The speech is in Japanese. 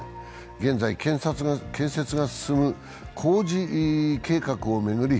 現在、建設が進む工事計画を巡り